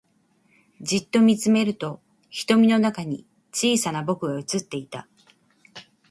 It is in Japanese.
じっと見つめると瞳の中に小さな僕が映っていた